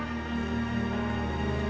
oke jadi sekarang kita lanjutin